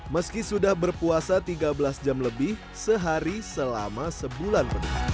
meski sudah berpuasa tiga belas jam lebih sehari selama sebulan penuh